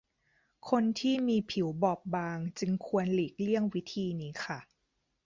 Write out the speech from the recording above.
คนที่มีผิวบอบบางจึงควรหลีกเลี่ยงวิธีนี้ค่ะ